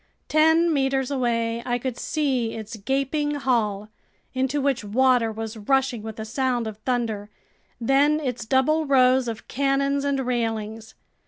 Ten meters away, I could see its gaping hull, into which water was rushing with a sound of thunder, then its double rows of cannons and railings.